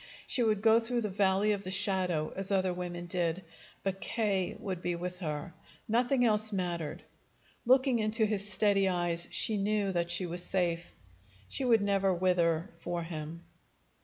She would go through the valley of the shadow, as other women did; but K. would be with her. Nothing else mattered. Looking into his steady eyes, she knew that she was safe. She would never wither for him.